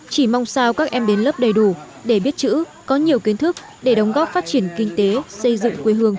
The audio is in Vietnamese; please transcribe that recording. chỉ mong sao các em đến lớp đầy đủ để biết chữ có nhiều kiến thức để đóng góp phát triển kinh tế xây dựng quê hương